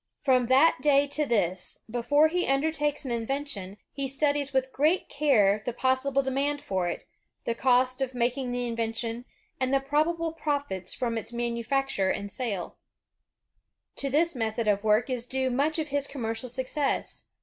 From that day to this, before he undertakes an invention, he studies with great care the possible demand for it, the cost of making the invention, and the probable profits from its manufacture and sale. THOMAS A. EDISON To this metinxi of work is due much of his commercial success.